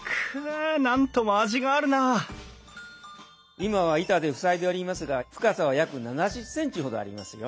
今は板で塞いでおりますが深さは約７０センチほどありますよ。